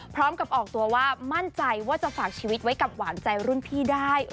พร้อมกับออกตัวว่ามั่นใจว่าจะฝากชีวิตไว้กับหวานใจรุ่นพี่ได้